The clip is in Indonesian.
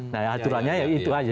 nah aturannya itu saja